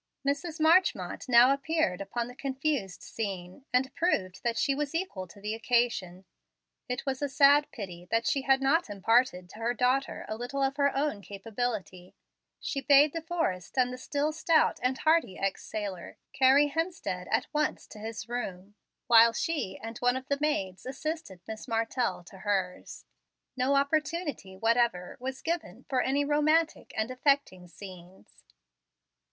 Mrs. Marchmont now appeared upon the confused scene, and proved that she was equal to the occasion. It was a sad pity that she had not imparted to her daughter a little of her own capability. She bade De Forrest, and the still stout and hearty ex sailor, carry Hemstead at once to his room, while she and one of the maids assisted Miss Martell to hers. No opportunity whatever was given for any romantic and affecting scenes.